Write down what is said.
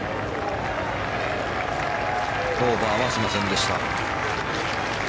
オーバーはしませんでした。